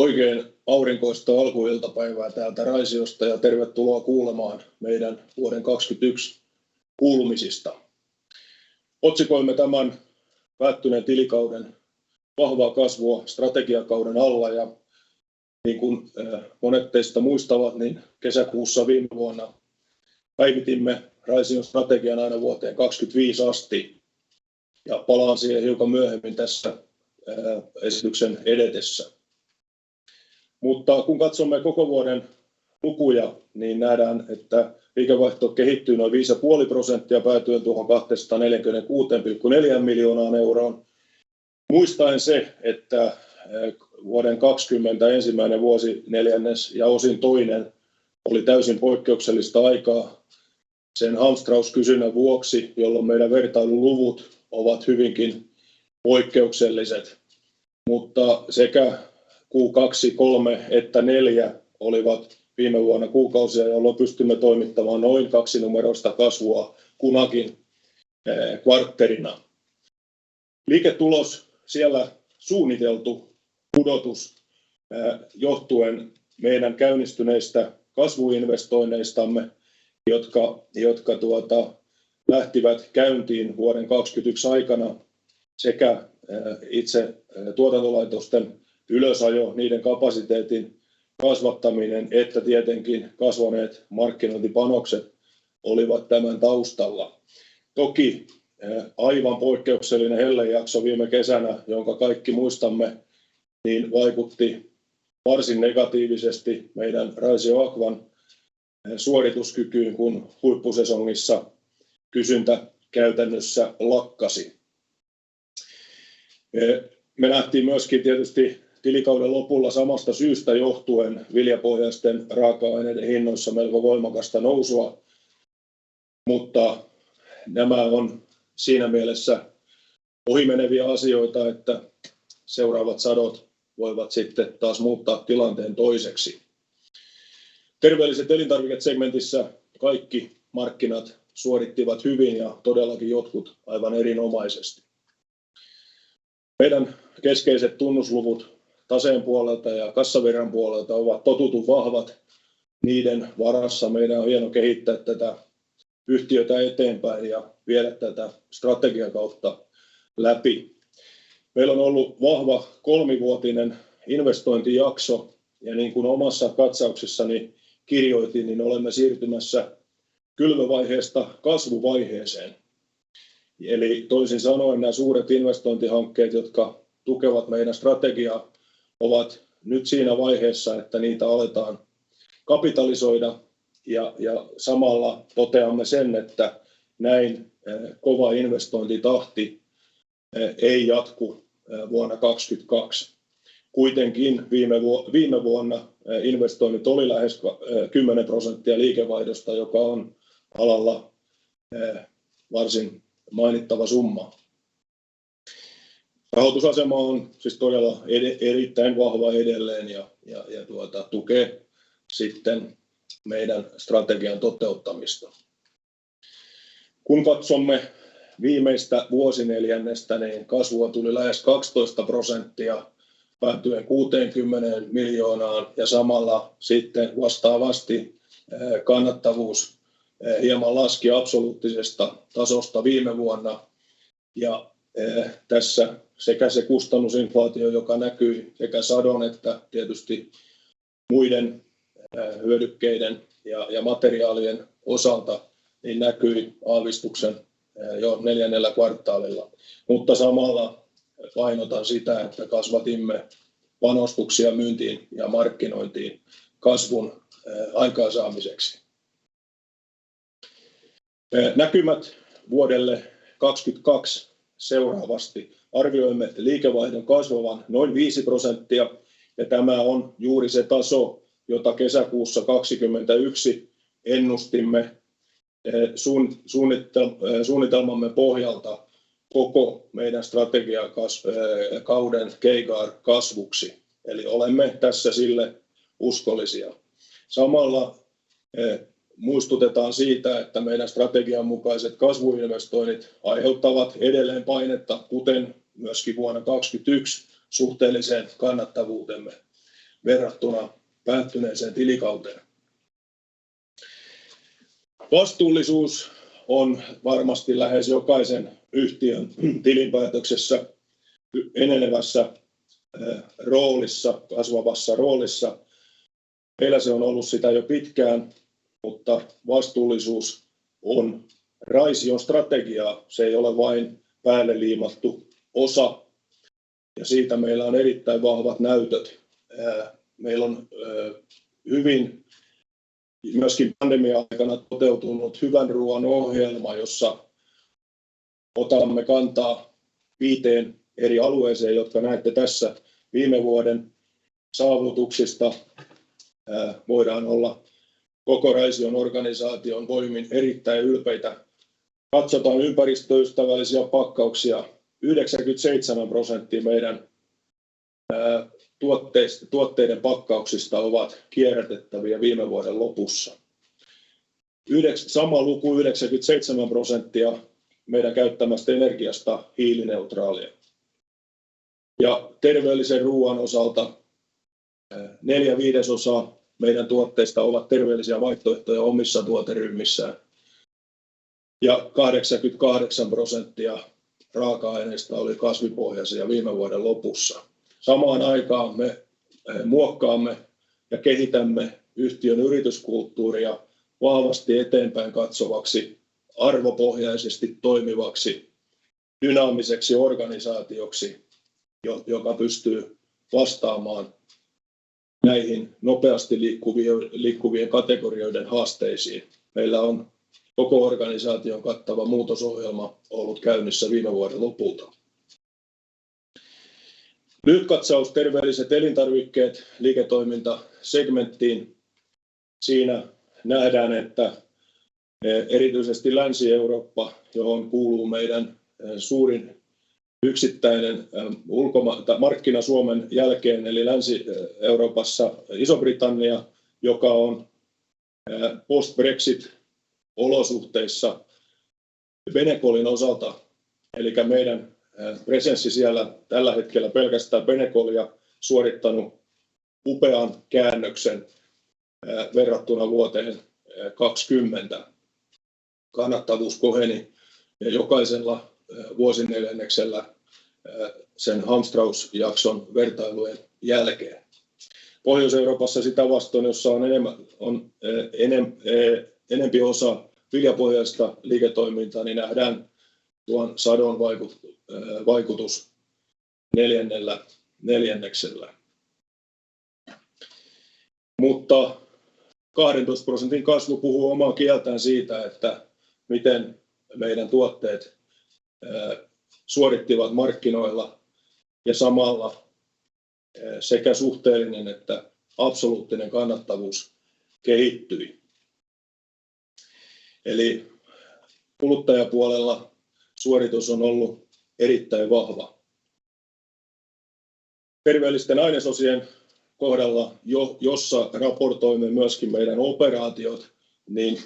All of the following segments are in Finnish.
Oikein aurinkoista alkuiltapäivää täältä Raisiosta ja tervetuloa kuulemaan meidän vuoden 2021 kuulumisista. Otsikoimme tämän päättyneen tilikauden Vahvaa kasvua strategiakauden alla ja niin kun monet teistä muistavat, niin kesäkuussa viime vuonna päivitimme Raision strategian aina vuoteen 2025 asti ja palaan siihen hiukan myöhemmin tässä esityksen edetessä. Kun katsomme koko vuoden lukuja, niin nähdään, että liikevaihto kehittyy noin 5.5% päätyen tuohon EUR 204.6 miljoonaan. Muistaen se, että vuoden 2020 ensimmäinen vuosineljännes ja osin toinen oli täysin poikkeuksellista aikaa sen hamstrauskysynnän vuoksi, jolloin meidän vertailuluvut ovat hyvinkin poikkeukselliset. Sekä Q2, Q3 että Q4 olivat viime vuonna kuukausia, jolloin pystymme toimittamaan noin kaksinumeroista kasvua kunakin kvartterina. Liiketulos siellä suunniteltu pudotus johtuen meidän käynnistyneistä kasvuinvestoinneistamme, jotka lähtivät käyntiin vuoden 2022 aikana sekä itse tuotantolaitosten ylösajo, niiden kapasiteetin kasvattaminen että tietenkin kasvaneet markkinointipanokset olivat tämän taustalla. Toki aivan poikkeuksellinen hellejakso viime kesänä, jonka kaikki muistamme, niin vaikutti varsin negatiivisesti meidän Raisioaqua suorituskykyyn, kun huippusesongissa kysyntä käytännössä lakkasi. Me nähtiin myöskin tietysti tilikauden lopulla samasta syystä johtuen viljapohjaisten raaka-aineiden hinnoissa melko voimakasta nousua. Nämä on siinä mielessä ohimeneviä asioita, että seuraavat sadot voivat sitten taas muuttaa tilanteen toiseksi. Terveelliset elintarvikkeet segmentissä kaikki markkinat suorittivat hyvin ja todellakin jotkut aivan erinomaisesti. Meidän keskeiset tunnusluvut taseen puolelta ja kassavirran puolelta ovat totutun vahvat. Niiden varassa meidän on hieno kehittää tätä yhtiötä eteenpäin ja viedä tätä strategiakautta läpi. Meillä on ollut vahva kolmivuotinen investointijakso ja niin kuin omassa katsauksessani kirjoitin, niin olemme siirtymässä kylvövaiheesta kasvuvaiheeseen. Eli toisin sanoen nämä suuret investointihankkeet, jotka tukevat meidän strategiaa, ovat nyt siinä vaiheessa, että niitä aletaan kapitalisoida ja samalla toteamme sen, että näin kova investointitahti ei jatku vuonna 2022. Viime vuonna investoinnit oli lähes 10% liikevaihdosta, joka on alalla varsin mainittava summa. Rahoitusasema on siis todella erittäin vahva edelleen ja tuota tukee sitten meidän strategian toteuttamista. Kun katsomme viimeistä vuosineljännettä, niin kasvua tuli lähes 12% päätyen EUR 60 miljoonaan ja samalla sitten vastaavasti kannattavuus hieman laski absoluuttisesta tasosta viime vuonna. Tässä sekä se kustannusinflaatio, joka näkyi sekä sadon että tietysti muiden hyödykkeiden ja materiaalien osalta, niin näkyi aavistuksen jo neljännellä kvartaalilla. Samalla painotan sitä, että kasvatimme panostuksia myyntiin ja markkinointiin kasvun aikaansaamiseksi. Näkymät vuodelle 2022 seuraavasti. Arvioimme liikevaihdon kasvavan noin 5% ja tämä on juuri se taso, jota kesäkuussa 2021 ennustimme suunnitelmamme pohjalta koko meidän strategiakauden keikaa kasvuksi. Eli olemme tässä sille uskollisia. Samalla muistutetaan siitä, että meidän strategian mukaiset kasvuinvestoinnit aiheuttavat edelleen painetta, kuten myös vuonna 2022 suhteelliseen kannattavuuteemme verrattuna päättyneeseen tilikauteen. Vastuullisuus on varmasti lähes jokaisen yhtiön tilinpäätöksessä enenevässä roolissa, kasvavassa roolissa. Meillä se on ollut sitä jo pitkään, mutta vastuullisuus on Raision strategiaa. Se ei ole vain päälle liimattu osa, ja siitä meillä on erittäin vahvat näytöt. Meillä on hyvin myöskin pandemian aikana toteutunut Hyvän Ruoan Ohjelma, jossa otamme kantaa viiteen eri alueeseen, jotka näette tässä. Viime vuoden saavutuksista voidaan olla koko Raision organisaation voimin erittäin ylpeitä. Katsotaan ympäristöystävällisiä pakkauksia. 97% meidän tuotteiden pakkauksista ovat kierrätettäviä viime vuoden lopussa. Sama luku, 97% meidän käyttämästä energiasta hiilineutraalia. Terveellisen ruoan osalta. Neljä viidesosaa meidän tuotteista ovat terveellisiä vaihtoehtoja omissa tuoteryhmissään. 88% raaka-aineista oli kasvipohjaisia viime vuoden lopussa. Samaan aikaan me muokkaamme ja kehitämme yhtiön yrityskulttuuria vahvasti eteenpäin katsovaksi, arvopohjaisesti toimivaksi dynaamiseksi organisaatioksi, joka pystyy vastaamaan näihin nopeasti liikkuvien kategorioiden haasteisiin. Meillä on koko organisaation kattava muutosohjelma ollut käynnissä viime vuoden lopulta. Lyhyt katsaus Terveelliset elintarvikkeet liiketoimintasegmenttiin. Siinä nähdään, että erityisesti Länsi-Eurooppa, johon kuuluu meidän suurin yksittäinen ulkomainen markkina Suomen jälkeen eli Länsi-Euroopassa Iso-Britannia, joka on post-Brexit olosuhteissa Benecolin osalta elikkä meidän presenssi siellä tällä hetkellä pelkästään Benecolia suorittanut upean käännöksen verrattuna vuoteen 2020. Kannattavuus koheni jokaisella vuosineljänneksellä sen hamstrausjakson vertailujen jälkeen. Pohjois-Euroopassa sitä vastoin, jossa on enemmän, on enempi osa viljapohjaista liiketoimintaa, niin nähdään tuon sadon vaikutus neljännellä neljänneksellä. 12% kasvu puhuu omaa kieltään siitä, että miten meidän tuotteet suorittivat markkinoilla ja samalla sekä suhteellinen että absoluuttinen kannattavuus kehittyi. Kuluttajapuolella suoritus on ollut erittäin vahva. Terveelliset ainesosat kohdalla, jossa raportoimme myöskin meidän operaatiot, niin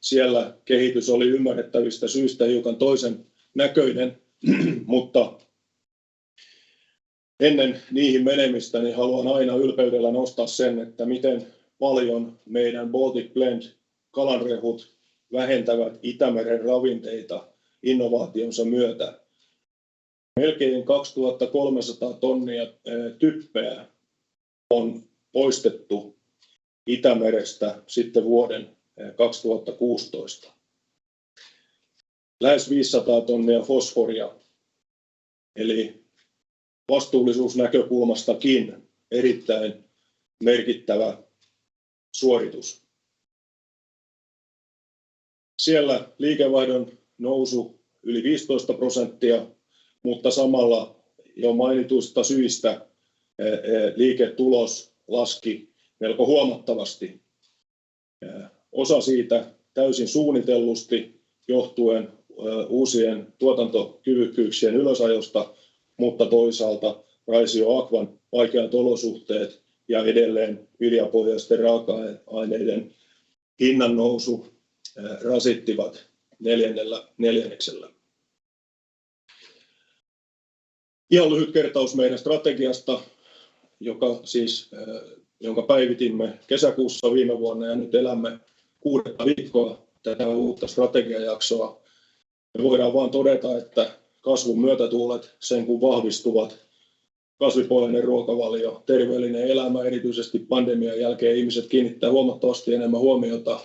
siellä kehitys oli ymmärrettävistä syistä hiukan toisen näköinen, mutta ennen niihin menemistä niin haluan aina ylpeydellä nostaa sen, että miten paljon meidän Baltic Blend kalanrehut vähentävät Itämeren ravinteita innovaationsa myötä. Melkein 2,300 tonnia typpeä on poistettu Itämerestä sitten vuoden 2016. Lähes 500 tonnia fosforia eli vastuullisuusnäkökulmastakin erittäin merkittävä suoritus. Siellä liikevaihdon nousu yli 15%, mutta samalla jo mainituista syistä liiketulos laski melko huomattavasti. Osa siitä täysin suunnitellusti johtuen uusien tuotantokyvykkyyksien ylösajosta, mutta toisaalta Raisioaqua vaikeat olosuhteet ja edelleen viljapohjaisten raaka-aineiden hinnannousu rasittivat neljännellä neljänneksellä. Ihan lyhyt kertaus meidän strategiasta, jonka päivitimme kesäkuussa viime vuonna ja nyt elämme kuudetta viikkoa tätä uutta strategiajaksoa. Me voidaan vaan todeta, että kasvun myötätuulet sen kun vahvistuvat. Kasvipohjainen ruokavalio, terveellinen elämä. Erityisesti pandemian jälkeen ihmiset kiinnittää huomattavasti enemmän huomiota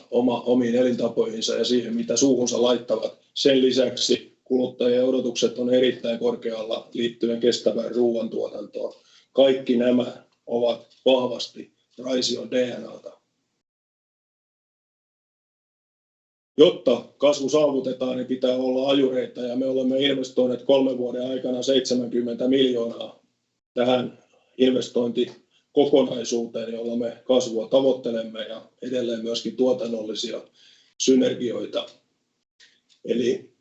omiin elintapoihinsa ja siihen, mitä suuhunsa laittavat. Sen lisäksi kuluttajien odotukset on erittäin korkealla liittyen kestävään ruoantuotantoon. Kaikki nämä ovat vahvasti Raision DNA:ta. Jotta kasvu saavutetaan, pitää olla ajureita ja me olemme investoineet 3 vuoden aikana EUR 70 million tähän investointikokonaisuuteen, jolla me kasvua tavoittelemme ja edelleen tuotannollisia synergioita eli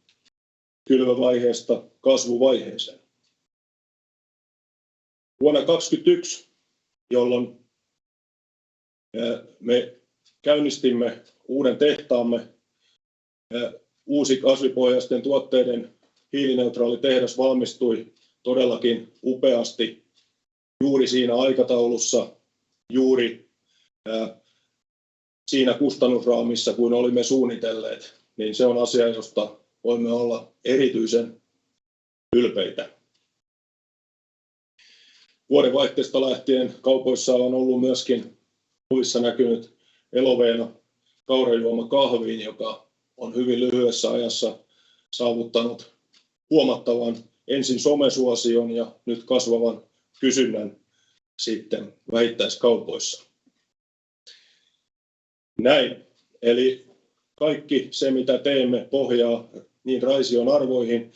kylvövaiheesta kasvuvaiheeseen. Vuonna 2022, jolloin me käynnistimme uuden tehtaamme, uusi kasvipohjaisten tuotteiden hiilineutraali tehdas valmistui todellakin upeasti juuri siinä aikataulussa, juuri siinä kustannusraamissa kuin olimme suunnitelleet, niin se on asia, josta voimme olla erityisen ylpeitä. Vuodenvaihteesta lähtien kaupoissa on ollut Pullossa näkynyt Elovena kaurajuoma kahviin, joka on hyvin lyhyessä ajassa saavuttanut huomattavan ensin somesuosion ja nyt kasvavan kysynnän vähittäiskaupoissa. Kaikki se, mitä teemme, pohjaa Raision arvoihin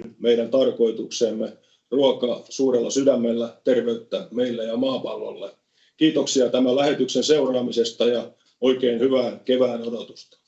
ja meidän tarkoitukseemme. Ruokaa suurella sydämellä, terveyttä meille ja maapallolle. Kiitoksia tämän lähetyksen seuraamisesta ja hyvää kevään odotusta.